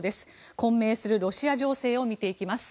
混迷するロシア情勢を見ていきます。